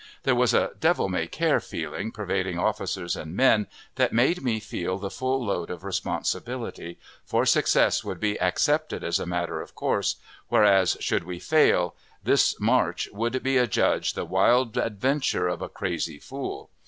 There was a "devil may care" feeling pervading officers and men, that made me feel the full load of responsibility, for success would be accepted as a matter of course, whereas, should we fail, this "march" would be adjudged the wild adventure of a crazy fool.